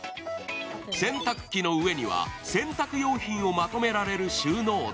洗濯機の上には洗濯用品をまとめられる収納棚。